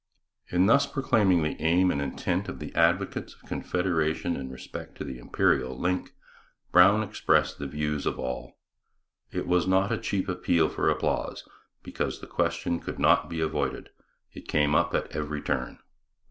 In thus proclaiming the aim and intent of the advocates of Confederation in respect to the Imperial link, Brown expressed the views of all. It was not a cheap appeal for applause, because the question could not be avoided. It came up at every turn.